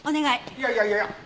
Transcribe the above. いやいやいやいや。